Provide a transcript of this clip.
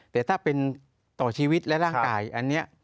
แต่ถ้าเป็นต่อชีวิตและร่างกายอันนี้